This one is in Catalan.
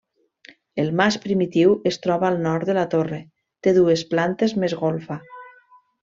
El mas primitiu es troba al nord de la torre, té dues plantes més golfa.